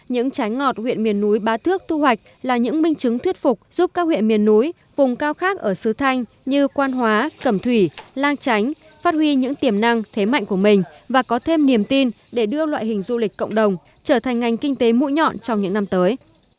những trái ngọt huyện miền núi bá thước thu hoạch là những minh chứng thuyết phục giúp các huyện miền núi vùng cao khác ở sứ thanh như quan hóa cẩm thủy lang chánh phát huy những tiềm năng thế mạnh của mình và có thêm niềm tin để đưa loại hình du lịch cộng đồng trở thành ngành kinh tế mũi nhọn trong những năm tới